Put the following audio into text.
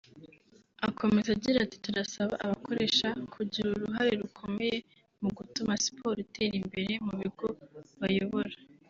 Akomeza agira ati “Turasaba abakoresha kugira uruhare rukomeye mu gutuma siporo itera imbere mu bigo bayobora